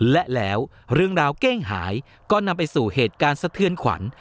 และแล้วเรื่องราวเก้งหายก็นำไปสู่เหตุการณ์สะเทือนขวัญ